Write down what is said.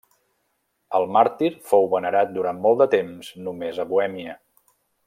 El màrtir fou venerat durant molt de temps només a Bohèmia.